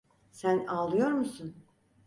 Sen ağlıyor musun?